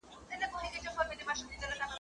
پک تر پکه پوري، نو نه چي ماغزه ئې معلومېږي.